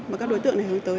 mà các đối tượng này hướng tới